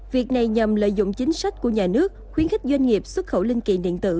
việc này nhằm lợi dụng chính sách của nhà nước khuyến khích doanh nghiệp xuất khẩu linh kiện điện tử